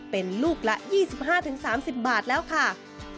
เป็นลูกละ๒๕๓๐บาทแล้วค่ะ